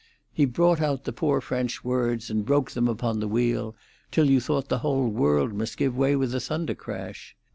He brought out the poor French words and broke them upon the wheel, till you thought the whole world must give way with a thunder crash.